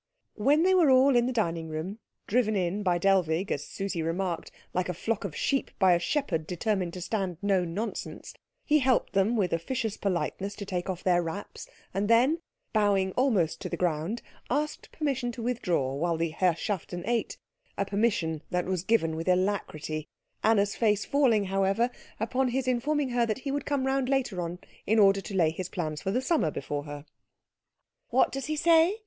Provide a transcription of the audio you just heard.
When they were all in the dining room, driven in by Dellwig, as Susie remarked, like a flock of sheep by a shepherd determined to stand no nonsense, he helped them with officious politeness to take off their wraps, and then, bowing almost to the ground, asked permission to withdraw while the Herrschaften ate, a permission that was given with alacrity, Anna's face falling, however, upon his informing her that he would come round later on in order to lay his plans for the summer before her. "What does he say?"